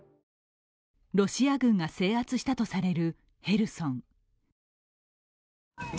ロシア軍が制圧したとされるヘルソン。